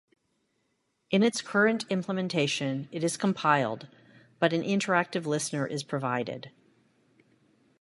In its current implementation, it is compiled, but an interactive listener is provided.